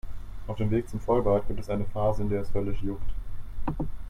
Auf dem Weg zum Vollbart gibt es eine Phase, in der es höllisch juckt.